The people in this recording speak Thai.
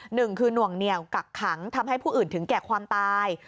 หนึ่งคือหน่วงเหนียวกักขังทำให้ผู้อื่นถึงแก่ความตาย